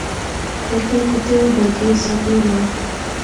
لیکن کوتے وی بل کری سیٹ نی وہا